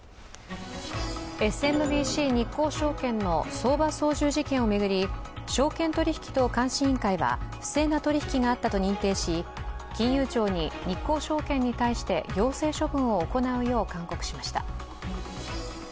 ＳＭＢＣ日興証券の相場操縦事件を巡り、証券取引等監視委員会は不正な取り引きがあったと認定し金融庁に日興証券に対して行政処分を行うよう勧告しました。